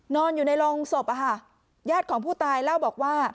นอนอยู่ในโรงศพญาติของผู้ตายเล่าบอกว่า